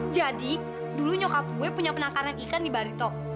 jadi dulu nyokap gue punya penangkaran ikan di baritok